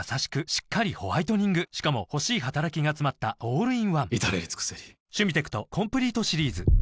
しっかりホワイトニングしかも欲しい働きがつまったオールインワン至れり尽せりあ゛ーーー！